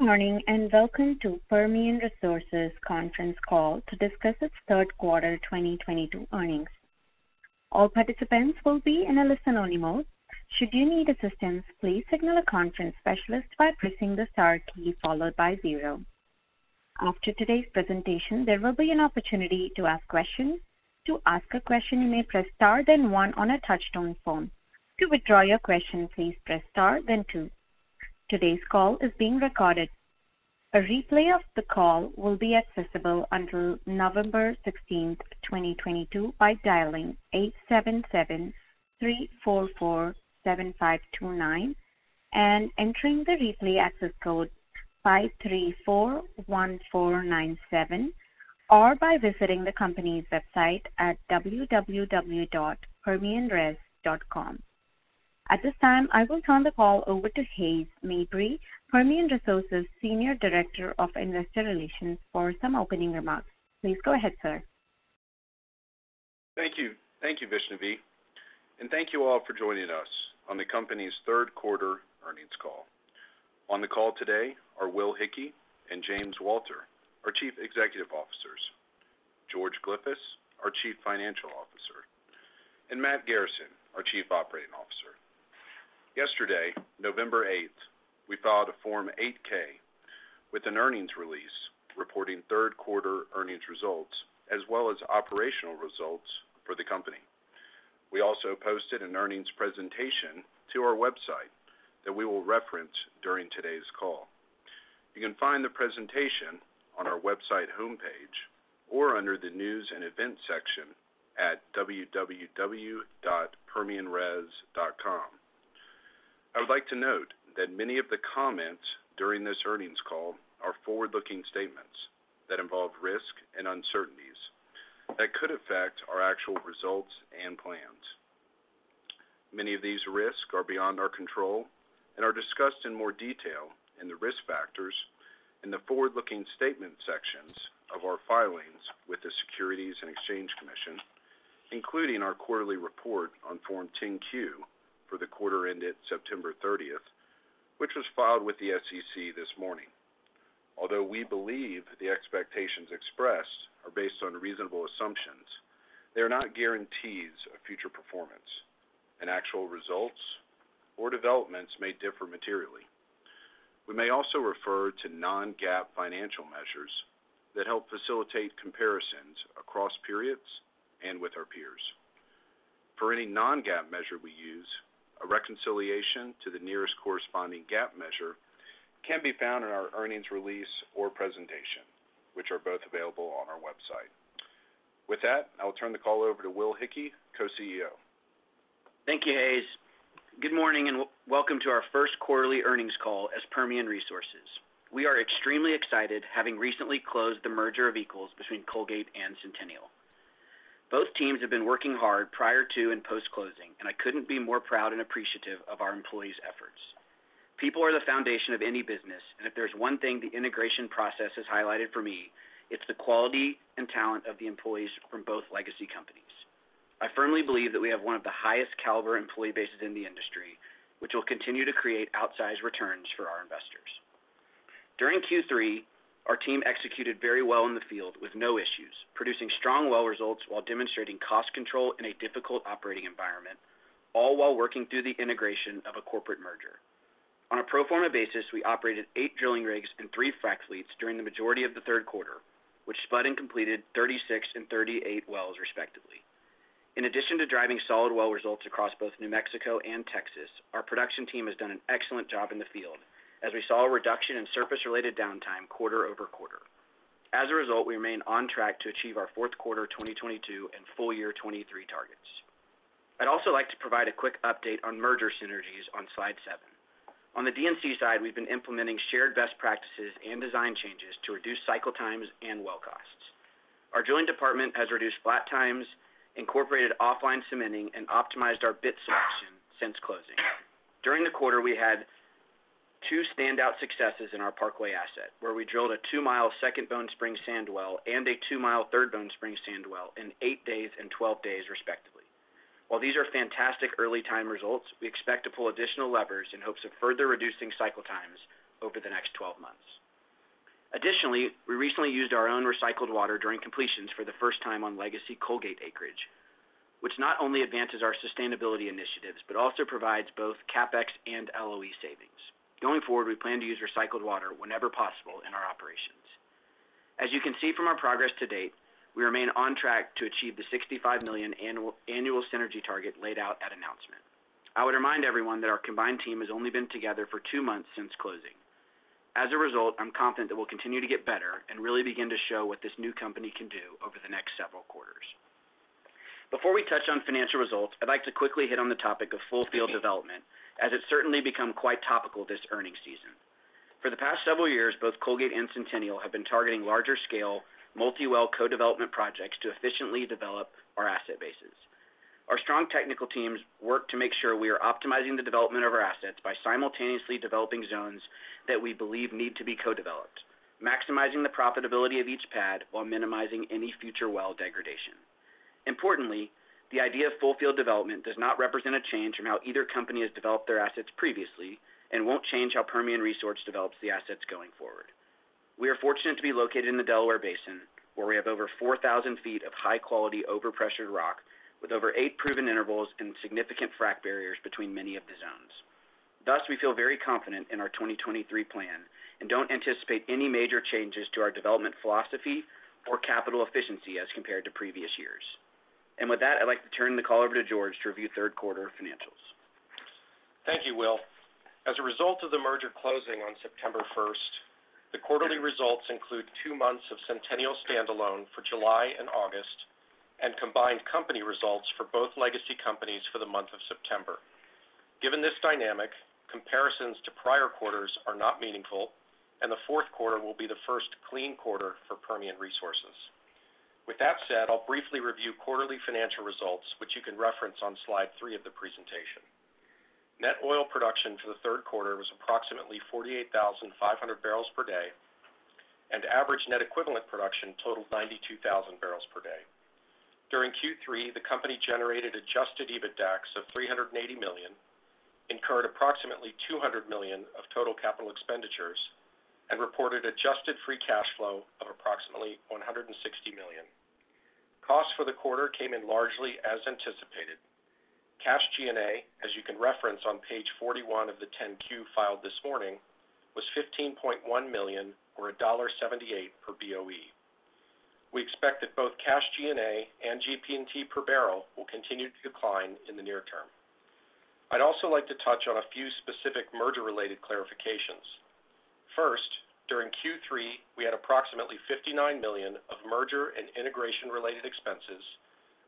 Good morning, and welcome to Permian Resources conference call to discuss its Q3 2022 Earnings. All participants will be in a listen-only mode. Should you need assistance, please signal a conference specialist by pressing the star key followed by zero. After today's presentation, there will be an opportunity to ask questions. To ask a question, you may press star then one on a touchtone phone. To withdraw your question, please press star then two. Today's call is being recorded. A replay of the call will be accessible until 16 November, 2022 by dialing 877-344-7529 and entering the replay access code 5341497, or by visiting the company's website at www.permianres.com. At this time, I will turn the call over to Hays Mabry, Permian Resources Senior Director of Investor Relations, for some opening remarks. Please go ahead, sir. Thank you. Thank you, Vishnavi. Thank you all for joining us on the company's Q3 earnings call. On the call today are Will Hickey and James Walter, our Chief Executive Officers, George Glyphis, our Chief Financial Officer, and Matt Garrison, our Chief Operating Officer. Yesterday, November eighth, we filed a Form 8-K with an earnings release reporting Q3 earnings results as well as operational results for the company. We also posted an earnings presentation to our website that we will reference during today's call. You can find the presentation on our website homepage or under the News & Events section at www.permianres.com. I would like to note that many of the comments during this earnings call are forward-looking statements that involve risk and uncertainties that could affect our actual results and plans. Many of these risks are beyond our control and are discussed in more detail in the Risk Factors in the Forward-Looking Statement sections of our filings with the Securities and Exchange Commission, including our quarterly report on Form 10-Q for the quarter ended 30 September, which was filed with the SEC this morning. Although we believe the expectations expressed are based on reasonable assumptions, they are not guarantees of future performance, and actual results or developments may differ materially. We may also refer to non-GAAP financial measures that help facilitate comparisons across periods and with our peers. For any non-GAAP measure we use, a reconciliation to the nearest corresponding GAAP measure can be found in our earnings release or presentation, which are both available on our website. With that, I'll turn the call over to Will Hickey, Co-CEO. Thank you, Hays. Good morning, and welcome to our first quarterly earnings call as Permian Resources. We are extremely excited, having recently closed the merger of equals between Colgate and Centennial. Both teams have been working hard prior to and post-closing, and I couldn't be more proud and appreciative of our employees' efforts. People are the foundation of any business, and if there's one thing the integration process has highlighted for me, it's the quality and talent of the employees from both legacy companies. I firmly believe that we have one of the highest caliber employee bases in the industry, which will continue to create outsized returns for our investors. During Q3, our team executed very well in the field with no issues, producing strong well results while demonstrating cost control in a difficult operating environment, all while working through the integration of a corporate merger. On a pro forma basis, we operated eight drilling rigs and three frac fleets during the majority of the Q3, which spud and completed 36 and 38 wells respectively. In addition to driving solid well results across both New Mexico and Texas, our production team has done an excellent job in the field as we saw a reduction in surface-related downtime quarter-over-quarter. As a result, we remain on track to achieve our Q4 2022 and full year 2023 targets. I'd also like to provide a quick update on merger synergies on slide 7. On the D&C side, we've been implementing shared best practices and design changes to reduce cycle times and well costs. Our drilling department has reduced flat times, incorporated offline cementing, and optimized our bit selection since closing. During the quarter, we had two standout successes in our Parkway asset, where we drilled a two-mile Second Bone Spring sand well and a two-mile Third Bone Spring sand well in eight days and 12 days respectively. While these are fantastic early time results, we expect to pull additional levers in hopes of further reducing cycle times over the next 12 months. Additionally, we recently used our own recycled water during completions for the first time on legacy Colgate acreage, which not only advances our sustainability initiatives, but also provides both CapEx and LOE savings. Going forward, we plan to use recycled water whenever possible in our operations. As you can see from our progress to date, we remain on track to achieve the $65 million annual synergy target laid out at announcement. I would remind everyone that our combined team has only been together for two months since closing. As a result, I'm confident that we'll continue to get better and really begin to show what this new company can do over the next several quarters. Before we touch on financial results, I'd like to quickly hit on the topic of full field development, as it's certainly become quite topical this earnings season. For the past several years, both Colgate and Centennial have been targeting larger scale, multi-well co-development projects to efficiently develop our asset bases. Our strong technical teams work to make sure we are optimizing the development of our assets by simultaneously developing zones that we believe need to be co-developed, maximizing the profitability of each pad while minimizing any future well degradation. Importantly, the idea of full field development does not represent a change from how either company has developed their assets previously and won't change how Permian Resources develops the assets going forward. We are fortunate to be located in the Delaware Basin, where we have over 4,000 feet of high-quality over-pressured rock with over eight proven intervals and significant frac barriers between many of the zones. Thus, we feel very confident in our 2023 plan and don't anticipate any major changes to our development philosophy or capital efficiency as compared to previous years. With that, I'd like to turn the call over to George to review Q3 financials. Thank you, Will. As a result of the merger closing on September first, the quarterly results include two months of Centennial standalone for July and August and combined company results for both legacy companies for the month of September. Given this dynamic, comparisons to prior quarters are not meaningful, and the Q4 will be the first clean quarter for Permian Resources. With that said, I'll briefly review quarterly financial results, which you can reference on slide three of the presentation. Net oil production for the Q3 was approximately 48,500 barrels per day, and average net equivalent production totaled 92,000 barrels per day. During Q3, the company generated adjusted EBITDAX of $380 million, incurred approximately $200 million of total capital expenditures, and reported adjusted free cash flow of approximately $160 million. Costs for the quarter came in largely as anticipated. Cash G&A, as you can reference on page 41 of the 10-Q filed this morning, was $15.1 million or $1.78 per Boe. We expect that both cash G&A and GP&T per barrel will continue to decline in the near term. I'd also like to touch on a few specific merger-related clarifications. First, during Q3, we had approximately $59 million of merger and integration related expenses,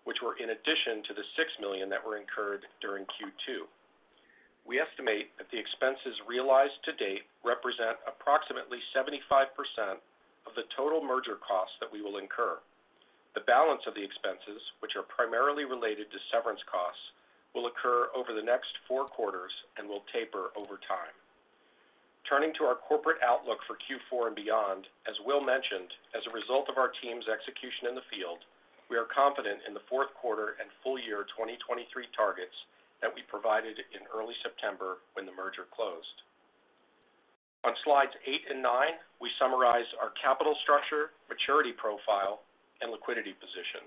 which were in addition to the $6 million that were incurred during Q2. We estimate that the expenses realized to date represent approximately 75% of the total merger costs that we will incur. The balance of the expenses, which are primarily related to severance costs, will occur over the next four quarters and will taper over time. Turning to our corporate outlook for Q4 and beyond, as Will mentioned, as a result of our team's execution in the field, we are confident in the Q4 and full year 2023 targets that we provided in early September when the merger closed. On slides eight and nine, we summarize our capital structure, maturity profile and liquidity position.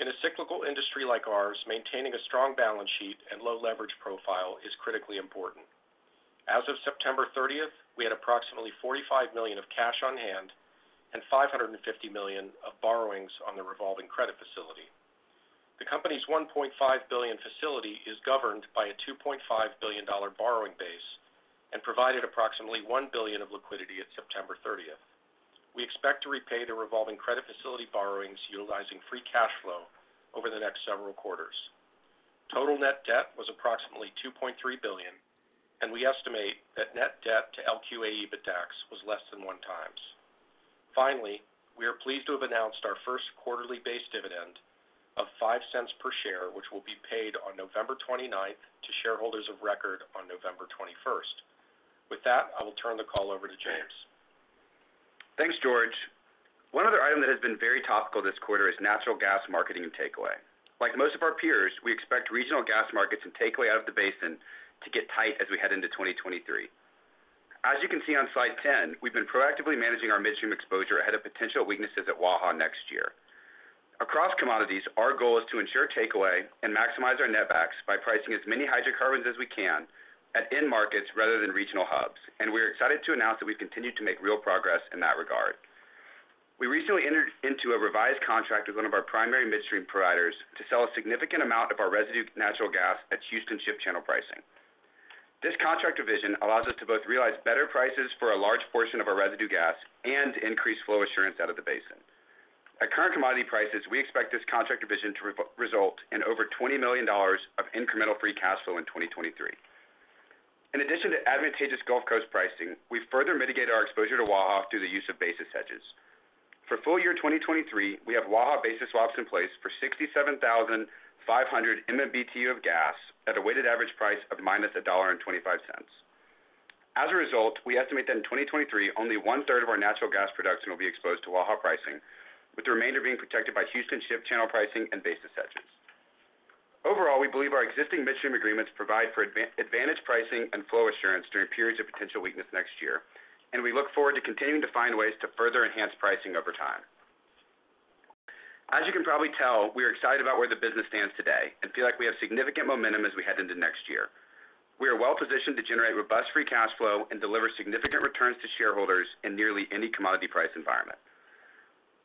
In a cyclical industry like ours, maintaining a strong balance sheet and low leverage profile is critically important. As of September 30, we had approximately $45 million of cash on hand and $550 million of borrowings on the revolving credit facility. The company's $1.5 billion facility is governed by a $2.5 billion borrowing base and provided approximately $1 billion of liquidity at 30 September. We expect to repay the revolving credit facility borrowings utilizing free cash flow over the next several quarters. Total net debt was approximately $2.3 billion, and we estimate that net debt to LQA EBITDAX was less than one times. Finally, we are pleased to have announced our first quarterly base dividend of $0.05 per share, which will be paid on 29 November to shareholders of record on 21 November. With that, I will turn the call over to James. Thanks, George. One other item that has been very topical this quarter is natural gas marketing and takeaway. Like most of our peers, we expect regional gas markets and takeaway out of the basin to get tight as we head into 2023. As you can see on slide 10, we've been proactively managing our midstream exposure ahead of potential weaknesses at Waha next year. Across commodities, our goal is to ensure takeaway and maximize our netbacks by pricing as many hydrocarbons as we can at end markets rather than regional hubs, and we're excited to announce that we've continued to make real progress in that regard. We recently entered into a revised contract with one of our primary midstream providers to sell a significant amount of our residue natural gas at Houston Ship Channel pricing. This contract revision allows us to both realize better prices for a large portion of our residue gas and increase flow assurance out of the basin. At current commodity prices, we expect this contract revision to re-result in over $20 million of incremental free cash flow in 2023. In addition to advantageous Gulf Coast pricing, we further mitigate our exposure to Waha through the use of basis hedges. For full year 2023, we have Waha basis swaps in place for 67,500 MMBtu of gas at a weighted average price of -$1.25. As a result, we estimate that in 2023, only one-third of our natural gas production will be exposed to Waha pricing, with the remainder being protected by Houston Ship Channel pricing and basis hedges. Overall, we believe our existing midstream agreements provide for advantage pricing and flow assurance during periods of potential weakness next year, and we look forward to continuing to find ways to further enhance pricing over time. As you can probably tell, we are excited about where the business stands today and feel like we have significant momentum as we head into next year. We are well-positioned to generate robust free cash flow and deliver significant returns to shareholders in nearly any commodity price environment.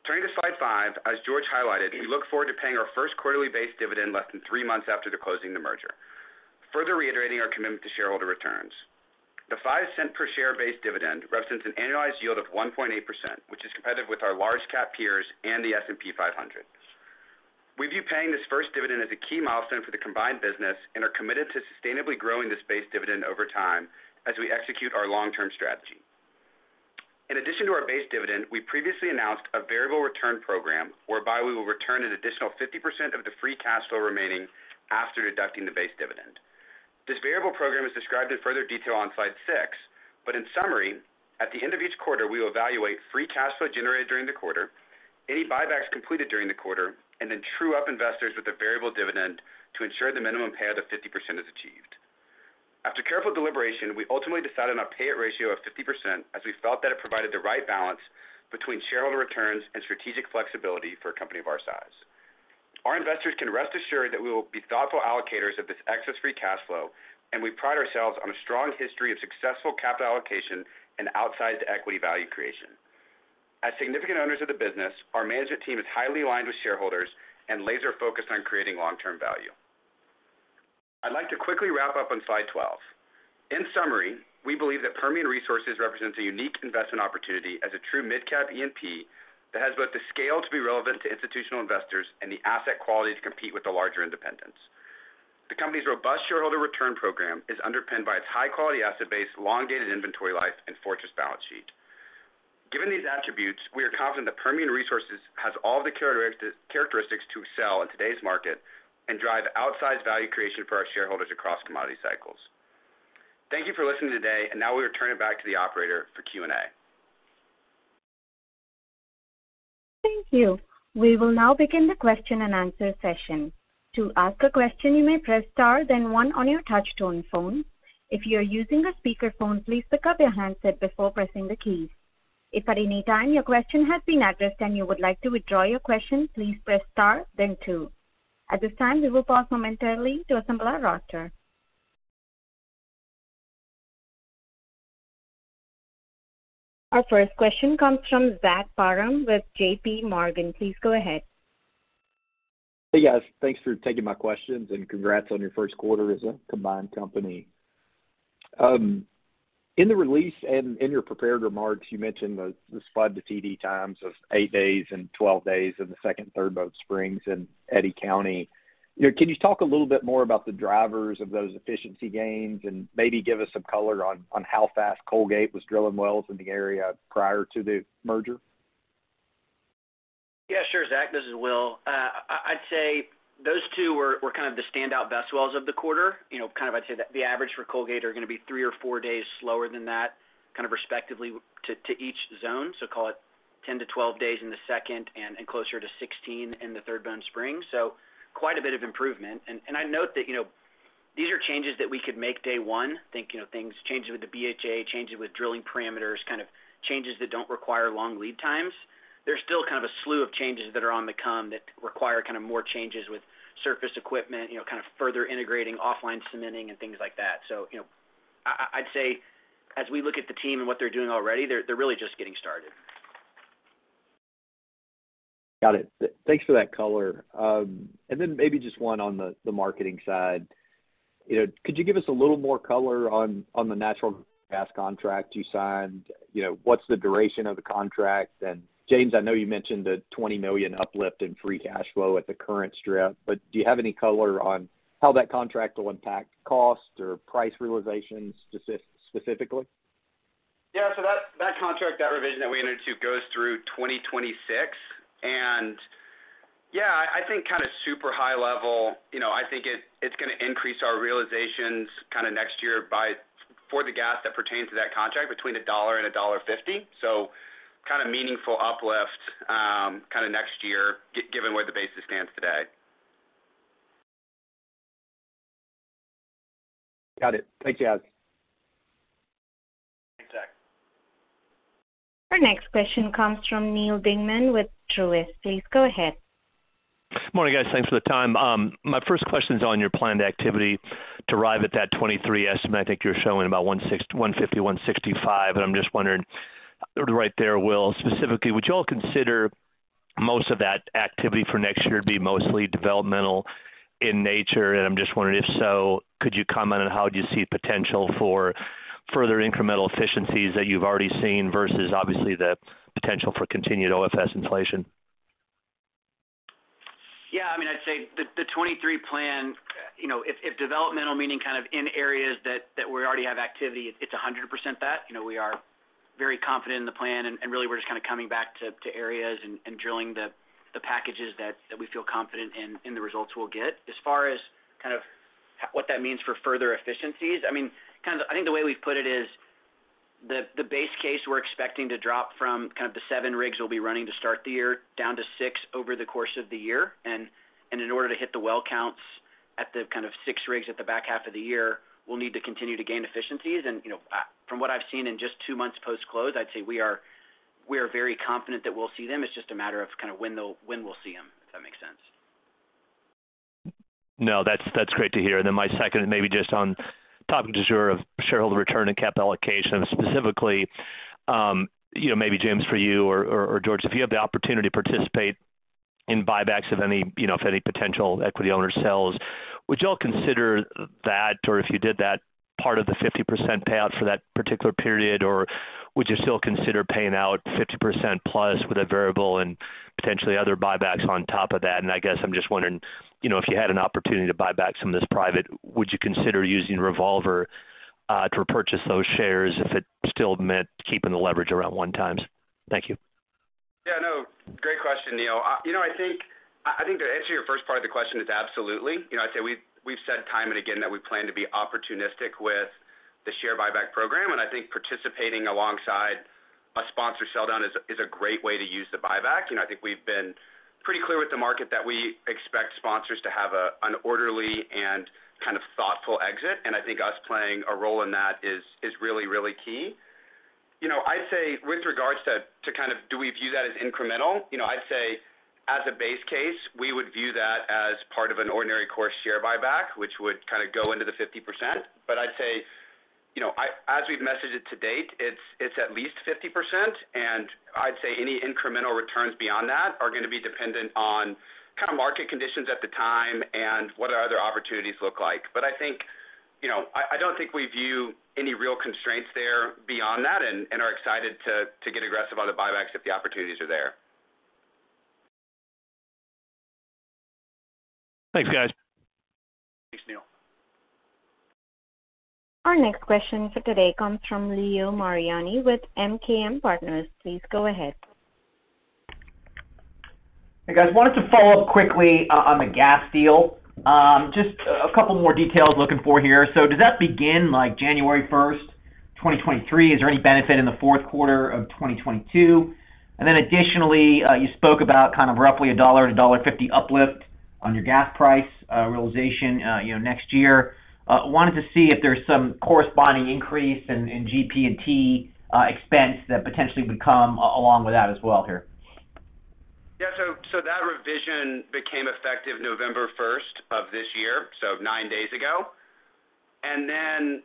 Turning to slide 5, as George highlighted, we look forward to paying our first quarterly base dividend less than 3 months after the closing of the merger, further reiterating our commitment to shareholder returns. The $0.05 per share base dividend represents an annualized yield of 1.8%, which is competitive with our large cap peers and the S&P 500. We view paying this first dividend as a key milestone for the combined business and are committed to sustainably growing this base dividend over time as we execute our long-term strategy. In addition to our base dividend, we previously announced a variable return program whereby we will return an additional 50% of the free cash flow remaining after deducting the base dividend. This variable program is described in further detail on slide 6. In summary, at the end of each quarter, we will evaluate free cash flow generated during the quarter, any buybacks completed during the quarter, and then true up investors with a variable dividend to ensure the minimum payout of 50% is achieved. After careful deliberation, we ultimately decided on a payout ratio of 50% as we felt that it provided the right balance between shareholder returns and strategic flexibility for a company of our size. Our investors can rest assured that we will be thoughtful allocators of this excess free cash flow, and we pride ourselves on a strong history of successful capital allocation and outsized equity value creation. As significant owners of the business, our management team is highly aligned with shareholders and laser-focused on creating long-term value. I'd like to quickly wrap up on slide 12. In summary, we believe that Permian Resources represents a unique investment opportunity as a true midcap E&P that has both the scale to be relevant to institutional investors and the asset quality to compete with the larger independents. The company's robust shareholder return program is underpinned by its high-quality asset base, long dated inventory life, and fortress balance sheet. Given these attributes, we are confident that Permian Resources has all the characteristics to excel in today's market and drive outsized value creation for our shareholders across commodity cycles. Thank you for listening today, and now we return it back to the operator for Q&A. Thank you. We will now begin the question-and-answer session. To ask a question, you may press Star, then one on your touchtone phone. If you are using a speakerphone, please pick up your handset before pressing the keys. If at any time your question has been addressed and you would like to withdraw your question, please press Star then two. At this time, we will pause momentarily to assemble our roster. Our first question comes from Zach Parham with JPMorgan. Please go ahead. Hey, guys. Thanks for taking my questions and congrats on your Q1 as a combined company. In the release and in your prepared remarks, you mentioned the spud to TD times of 8 days and 12 days in the Second and Third Bone Spring in Eddy County. You know, can you talk a little bit more about the drivers of those efficiency gains and maybe give us some color on how fast Colgate was drilling wells in the area prior to the merger? Yeah, sure, Zach. This is Will. I'd say those two were kind of the standout best wells of the quarter. You know, kind of I'd say the average for Colgate are gonna be three or four days slower than that, kind of respectively to each zone. Call it 10-12 days in the Second Bone Spring and closer to 16 in the Third Bone Spring. Quite a bit of improvement. I note that, you know, these are changes that we could make day one. You know, things changing with the BHA, changing with drilling parameters, kind of changes that don't require long lead times. There's still kind of a slew of changes that are on the come that require kind of more changes with surface equipment, you know, kind of further integrating offline cementing and things like that. you know, I'd say as we look at the team and what they're doing already, they're really just getting started. Got it. Thanks for that color. Maybe just one on the marketing side. You know, could you give us a little more color on the natural gas contract you signed? You know, what's the duration of the contract? James, I know you mentioned the $20 million uplift in free cash flow at the current strip, but do you have any color on how that contract will impact cost or price realizations specifically? Yeah. That contract, that revision that we entered into goes through 2026. Yeah, I think kind of super high level, you know, I think it's gonna increase our realizations kinda next year by, for the gas that pertains to that contract, between $1 and $1.50. Kinda meaningful uplift, kinda next year given where the basis stands today. Got it. Thanks, guys. Thanks, Zach. Our next question comes from Neal Dingmann with Truist. Please go ahead. Good morning, guys. Thanks for the time. My first question is on your planned activity to arrive at that 23 estimate. I think you're showing about 150, 165. I'm just wondering right there, Will, specifically, would you all consider most of that activity for next year to be mostly developmental in nature? I'm just wondering, if so, could you comment on how do you see potential for further incremental efficiencies that you've already seen versus obviously the potential for continued OFS inflation? Yeah. I mean, I'd say the 2023 plan, you know, if developmental meaning kind of in areas that we already have activity, it's 100% that. You know, we are very confident in the plan, and really we're just kinda coming back to areas and drilling the packages that we feel confident in the results we'll get. As far as kind of what that means for further efficiencies, I mean, kind of I think the way we've put it is the base case we're expecting to drop from kind of the seven rigs we'll be running to start the year down to six over the course of the year. In order to hit the well counts at the kind of 6 rigs at the back half of the year, we'll need to continue to gain efficiencies. You know, from what I've seen in just two months post-close, I'd say we are very confident that we'll see them. It's just a matter of kinda when we'll see them, if that makes sense. No. That's great to hear. My second maybe just on talking to shareholder return and capital allocation, specifically, you know, maybe James for you or George, if you have the opportunity to participate in buybacks of any, you know, if any potential equity owner sells, would you all consider that, or if you did that, part of the 50% payout for that particular period, or would you still consider paying out 50% plus with a variable and potentially other buybacks on top of that? I guess I'm just wondering, you know, if you had an opportunity to buy back some of this private, would you consider using revolver to purchase those shares if it still meant keeping the leverage around one times? Thank you. Yeah, no, great question, Neal. You know, I think to answer your first part of the question is absolutely. You know, I'd say we've said time and again that we plan to be opportunistic with the share buyback program, and I think participating alongside a sponsor sell down is a great way to use the buyback. You know, I think we've been pretty clear with the market that we expect sponsors to have an orderly and kind of thoughtful exit, and I think us playing a role in that is really key. You know, I'd say with regards to kind of do we view that as incremental, you know, I'd say as a base case, we would view that as part of an ordinary course share buyback, which would kind of go into the 50%. I'd say, you know, as we've messaged it to date, it's at least 50%, and I'd say any incremental returns beyond that are gonna be dependent on kind of market conditions at the time and what our other opportunities look like. I think, you know, I don't think we view any real constraints there beyond that and are excited to get aggressive on the buybacks if the opportunities are there. Thanks, guys. Thanks, Neal. Our next question for today comes from Leo Mariani with MKM Partners. Please go ahead. Hey, guys. Wanted to follow up quickly on the gas deal. Just a couple more details looking for here. Does that begin like January first, 2023? Is there any benefit in the Q4 of 2022? Additionally, you spoke about kind of roughly $1-$1.50 uplift on your gas price realization, you know, next year. Wanted to see if there's some corresponding increase in GP&T expense that potentially would come along with that as well here. Yeah. That revision became effective November first of this year, nine days ago. The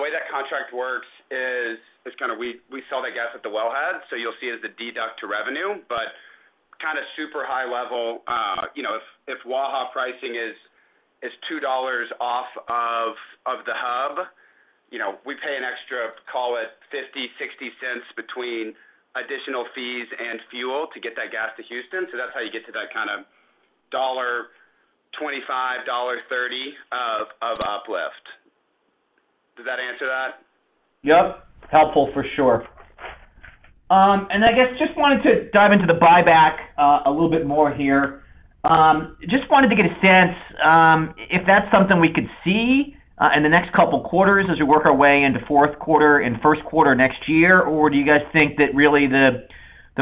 way that contract works is it's we sell that gas at the wellhead, so you'll see it as a deduct to revenue. But kind of super high level, you know, if Waha pricing is $2 off of the hub, you know, we pay an extra, call it $0.50-$0.60 between additional fees and fuel to get that gas to Houston. That's how you get to that kind of $1.25-$1.30 of uplift. Does that answer that? Yep. Helpful for sure. I guess just wanted to dive into the buyback, a little bit more here. Just wanted to get a sense, if that's something we could see, in the next couple quarters as we work our way into Q4 and Q1 next year, or do you guys think that really the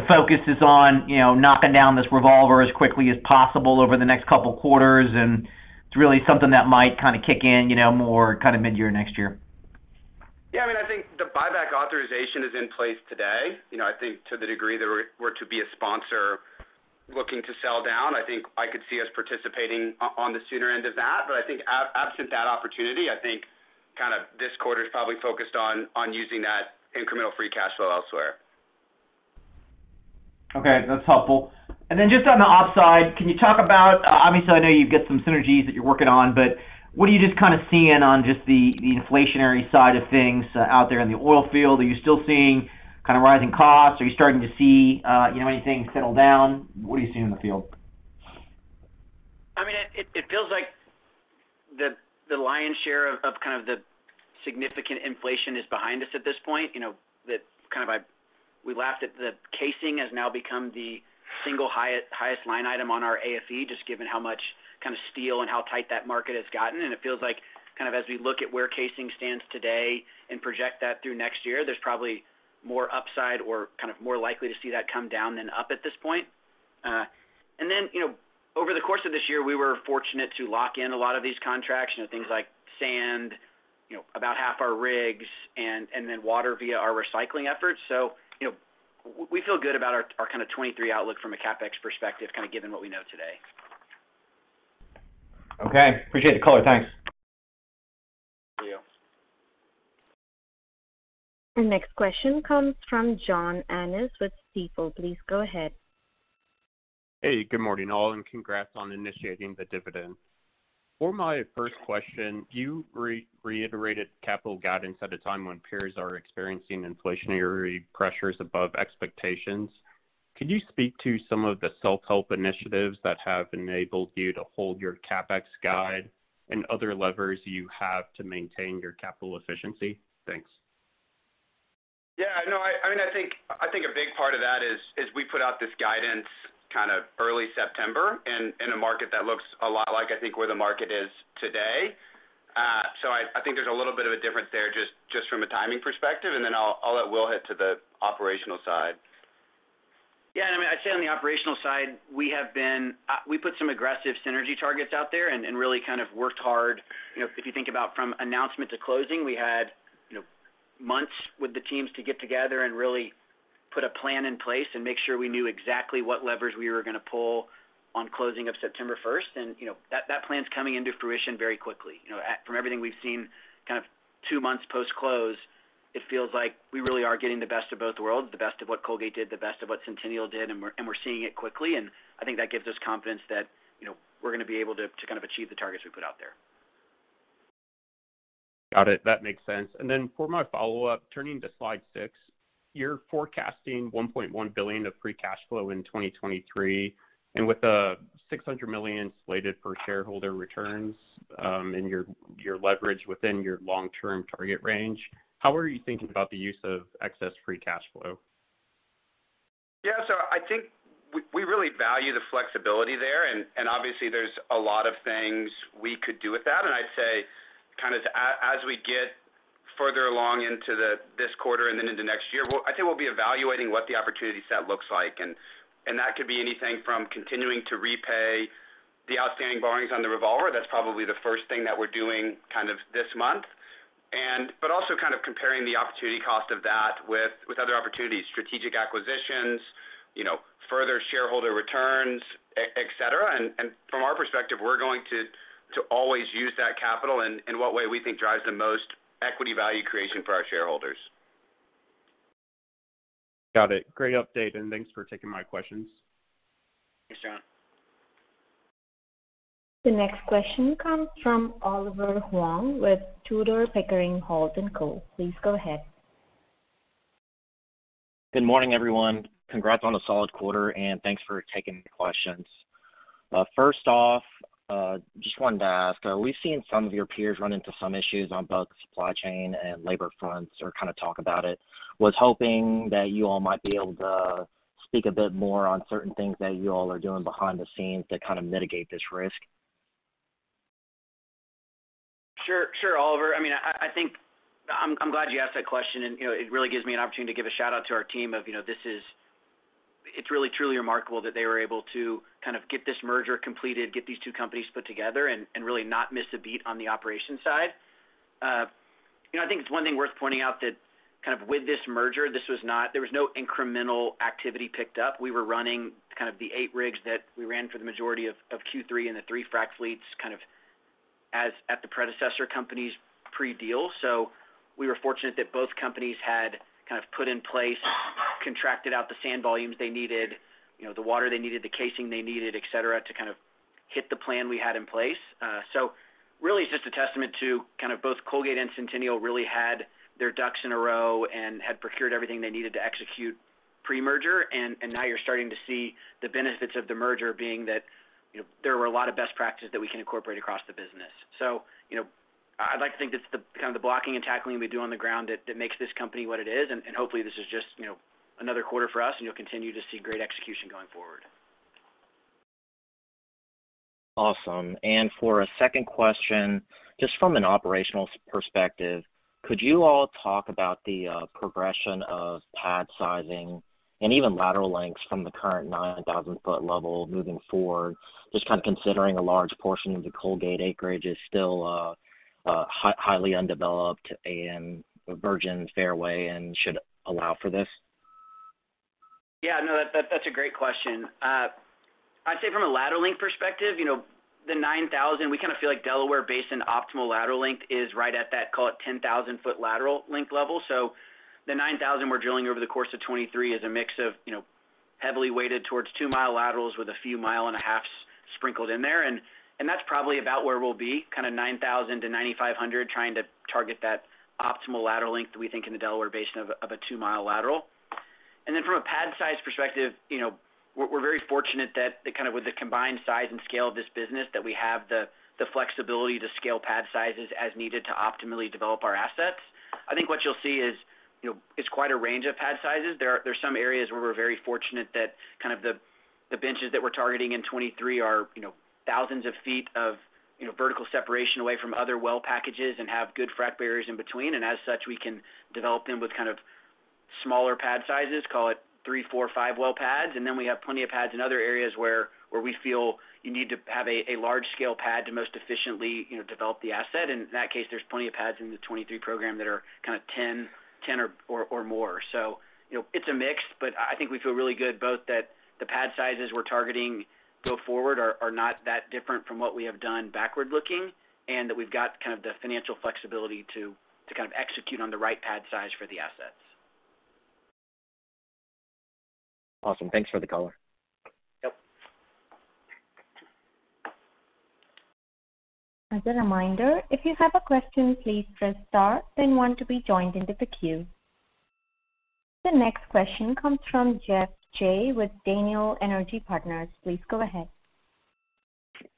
focus is on, you know, knocking down this revolver as quickly as possible over the next couple quarters, and it's really something that might kind of kick in, you know, more kind of midyear next year? Yeah. I mean, I think the buyback authorization is in place today. You know, I think to the degree there were to be a sponsor looking to sell down, I think I could see us participating on the sooner end of that. I think absent that opportunity, I think kind of this quarter's probably focused on using that incremental free cash flow elsewhere. Okay. That's helpful. Then just on the op side, can you talk about, obviously, I know you've got some synergies that you're working on, but what are you just kind of seeing on just the inflationary side of things, out there in the oil field? Are you still seeing kind of rising costs? Are you starting to see, you know, anything settle down? What are you seeing in the field? I mean, it feels like the lion's share of kind of the significant inflation is behind us at this point. You know, we laughed at the casing has now become the single highest line item on our AFE, just given how much kind of steel and how tight that market has gotten. It feels like kind of as we look at where casing stands today and project that through next year, there's probably more upside or kind of more likely to see that come down than up at this point. Then, you know, over the course of this year, we were fortunate to lock in a lot of these contracts, you know, things like sand, you know, about half our rigs, and then water via our recycling efforts. You know, we feel good about our kind of 2023 outlook from a CapEx perspective, kind of given what we know today. Okay. Appreciate the color. Thanks. Thank you. Our next question comes from John Annis with Stifel. Please go ahead. Hey, good morning, all, and congrats on initiating the dividend. For my first question, you reiterated capital guidance at a time when peers are experiencing inflationary pressures above expectations. Could you speak to some of the self-help initiatives that have enabled you to hold your CapEx guide and other levers you have to maintain your capital efficiency? Thanks. Yeah. No, I mean, I think a big part of that is we put out this guidance kind of early September in a market that looks a lot like I think where the market is today. So I think there's a little bit of a difference there just from a timing perspective, and then I'll let Will hit to the operational side. Yeah. I mean, I'd say on the operational side, we put some aggressive synergy targets out there and really kind of worked hard. You know, if you think about from announcement to closing, we had, you know, months with the teams to get together and really put a plan in place and make sure we knew exactly what levers we were gonna pull on closing of September first. You know, that plan's coming into fruition very quickly. You know, from everything we've seen kind of two months post-close, it feels like we really are getting the best of both worlds, the best of what Colgate did, the best of what Centennial did, and we're seeing it quickly. I think that gives us confidence that, you know, we're gonna be able to to kind of achieve the targets we put out there. Got it. That makes sense. Then for my follow-up, turning to slide six, you're forecasting $1.1 billion of free cash flow in 2023, and with six hundred million slated for shareholder returns, and your leverage within your long-term target range, how are you thinking about the use of excess free cash flow Yeah. I think we really value the flexibility there and obviously, there's a lot of things we could do with that. I'd say kind of as we get further along into this quarter and then into next year, I think we'll be evaluating what the opportunity set looks like. That could be anything from continuing to repay the outstanding borrowings on the revolver. That's probably the first thing that we're doing kind of this month. But also kind of comparing the opportunity cost of that with other opportunities, strategic acquisitions, you know, further shareholder returns, etcetera. From our perspective, we're going to always use that capital in what way we think drives the most equity value creation for our shareholders. Got it. Great update, and thanks for taking my questions. Thanks, John. The next question comes from Oliver Huang with Tudor, Pickering, Holt & Co. Please go ahead. Good morning, everyone. Congrats on a solid quarter, and thanks for taking the questions. First off, just wanted to ask, we've seen some of your peers run into some issues on both supply chain and labor fronts or kinda talk about it. Was hoping that you all might be able to speak a bit more on certain things that you all are doing behind the scenes to kind of mitigate this risk. Sure. Sure, Oliver. I mean, I think I'm glad you asked that question and, you know, it really gives me an opportunity to give a shout-out to our team. You know, it's really truly remarkable that they were able to kind of get this merger completed, get these two companies put together, and really not miss a beat on the operations side. You know, I think it's one thing worth pointing out that kind of with this merger, this was not. There was no incremental activity picked up. We were running kind of the 8 rigs that we ran for the majority of Q3 and the three frac fleets kind of as at the predecessor companies pre-deal. We were fortunate that both companies had kind of put in place, contracted out the sand volumes they needed, you know, the water they needed, the casing they needed, et cetera, to kind of hit the plan we had in place. Really it's just a testament to kind of both Colgate and Centennial really had their ducks in a row and had procured everything they needed to execute pre-merger. Now you're starting to see the benefits of the merger being that, you know, there were a lot of best practices that we can incorporate across the business. You know, I'd like to think that's the, kind of the blocking and tackling we do on the ground that makes this company what it is. Hopefully, this is just, you know, another quarter for us, and you'll continue to see great execution going forward. Awesome. For a second question, just from an operational perspective, could you all talk about the progression of pad sizing and even lateral lengths from the current 9,000-foot level moving forward, just kind of considering a large portion of the Colgate acreage is still highly undeveloped and a virgin fairway and should allow for this? Yeah, no, that's a great question. I'd say from a lateral length perspective, you know, the 9,000, we kinda feel like Delaware Basin optimal lateral length is right at that, call it, 10,000-foot lateral length level. So the 9,000 we're drilling over the course of 2023 is a mix of, you know, heavily weighted towards two-mile laterals with a few mile and a halfs sprinkled in there. And that's probably about where we'll be, kinda 9,000 to 9,500, trying to target that optimal lateral length that we think in the Delaware Basin of a two-mile lateral. And then from a pad size perspective, you know, we're very fortunate that the kind of with the combined size and scale of this business, that we have the flexibility to scale pad sizes as needed to optimally develop our assets. I think what you'll see is, you know, it's quite a range of pad sizes. There's some areas where we're very fortunate that kind of the benches that we're targeting in 2023 are, you know, thousands of feet of vertical separation away from other well packages and have good frack barriers in between. As such, we can develop them with kind of smaller pad sizes, call it three, four, five well pads. Then we have plenty of pads in other areas where we feel you need to have a large scale pad to most efficiently, you know, develop the asset. In that case, there's plenty of pads in the 2023 program that are kinda 10 or more. you know, it's a mix, but I think we feel really good both that the pad sizes we're targeting go forward are not that different from what we have done backward looking and that we've got kind of the financial flexibility to kind of execute on the right pad size for the assets. Awesome. Thanks for the color. Yep. As a reminder, if you have a question, please press star then one to be joined into the queue. The next question comes from Geoff Jay with Daniel Energy Partners. Please go ahead.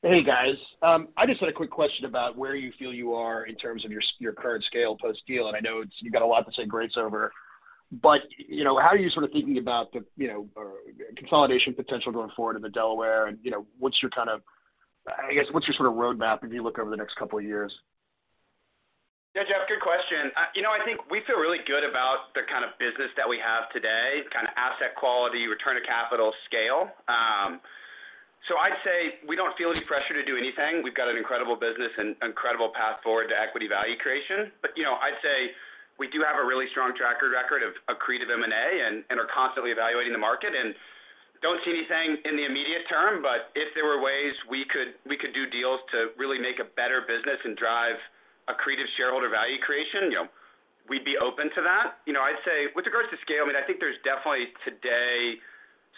Hey, guys. I just had a quick question about where you feel you are in terms of your current scale post-deal. I know you've got a lot to chew over. You know, how are you sort of thinking about the, you know, consolidation potential going forward in the Delaware? You know, what's your kind of, I guess, what's your sort of roadmap as you look over the next couple of years? Yeah, Geoff, good question. You know, I think we feel really good about the kind of business that we have today, the kinda asset quality, return on capital scale. So I'd say we don't feel any pressure to do anything. We've got an incredible business and incredible path forward to equity value creation. You know, I'd say we do have a really strong track record of accretive M&A and are constantly evaluating the market. Don't see anything in the immediate term, but if there were ways we could do deals to really make a better business and drive accretive shareholder value creation, you know, we'd be open to that. You know, I'd say with regards to scale, I mean, I think there's definitely today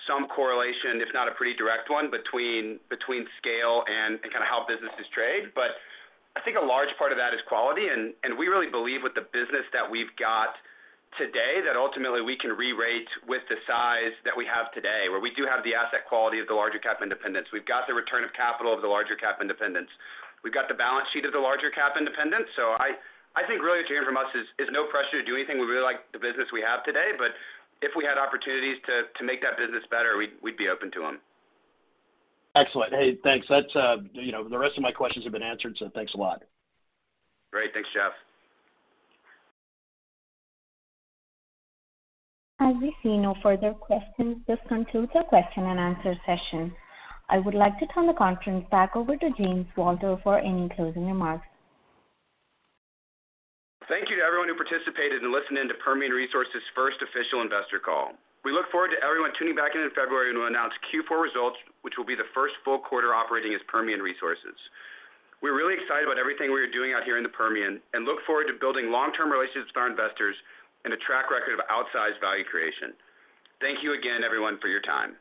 some correlation, if not a pretty direct one, between scale and kinda how businesses trade. I think a large part of that is quality, and we really believe with the business that we've got today, that ultimately we can re-rate with the size that we have today, where we do have the asset quality of the larger cap independents. We've got the return of capital of the larger cap independents. We've got the balance sheet of the larger cap independents. I think really what you're hearing from us is no pressure to do anything. We really like the business we have today, but if we had opportunities to make that business better, we'd be open to them. Excellent. Hey, thanks. That's, you know, the rest of my questions have been answered, so thanks a lot. Great. Thanks, Geoff. As we see no further questions, this concludes our question and answer session. I would like to turn the conference back over to James Walter for any closing remarks. Thank you to everyone who participated and listened in to Permian Resources' first official investor call. We look forward to everyone tuning back in in February when we announce Q4 results, which will be the first full quarter operating as Permian Resources. We're really excited about everything we are doing out here in the Permian and look forward to building long-term relationships with our investors and a track record of outsized value creation. Thank you again, everyone, for your time.